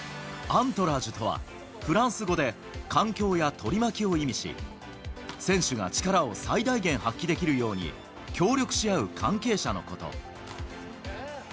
アントラージュとは、フランス語で環境や取り巻きを意味し、選手が力を最大限発揮できるように協力し合う関係者のこと。